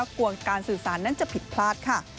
กลัวการสื่อสารนั้นจะผิดพลาดค่ะ